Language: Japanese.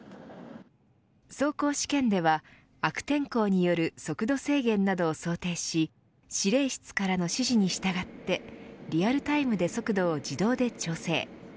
走行試験では悪天候による速度制限などを想定し司令室からの指示に従ってリアルタイムで速度を自動で調整。